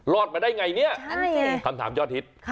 มาได้ไงเนี่ยคำถามยอดฮิต